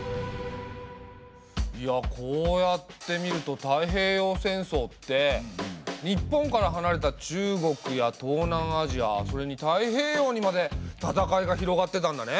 いやこうやって見ると太平洋戦争って日本からはなれた中国や東南アジアそれに太平洋にまで戦いが広がってたんだね。